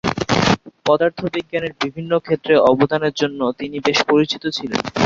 পদার্থবিজ্ঞানের বিভিন্ন ক্ষেত্রে অবদানের জন্য তিনি বেশ পরিচিত ছিলেন।